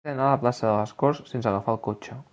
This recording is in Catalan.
He d'anar a la plaça de les Corts sense agafar el cotxe.